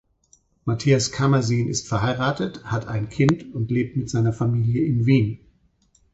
Matthias Karmasin ist verheiratet, hat ein Kind und lebt mit seiner Familie in Wien.